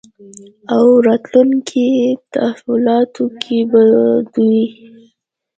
او راتلونکې تحولاتو کې به دوی